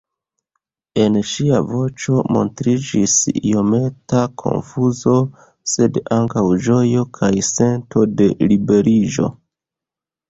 En ŝia voĉo montriĝis iometa konfuzo, sed ankaŭ ĝojo kaj sento de liberiĝo.